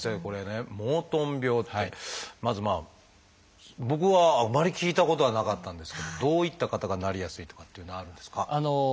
これね「モートン病」ってまず僕はあんまり聞いたことはなかったんですけどどういった方がなりやすいとかっていうのはあるんですか？